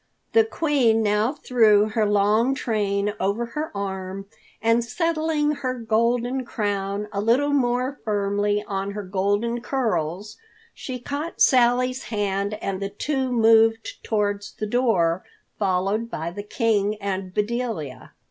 The Queen now threw her long train over her arm and settling her golden crown a little more firmly on her golden curls, she caught Sally's hand and the two moved towards the door, followed by the King and Bedelia.